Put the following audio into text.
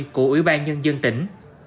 của ủy ban nhân dân tỉnh